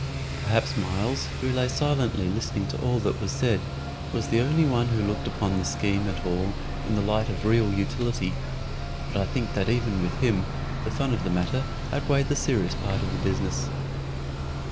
Perhaps Myles, who lay silently listening to all that was said, was the only one who looked upon the scheme at all in the light of real utility, but I think that even with him the fun of the matter outweighed the serious part of the business.